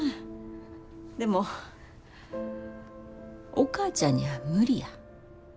でもお母ちゃんには無理や。